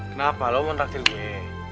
kenapa lo mau ngeraktifin gue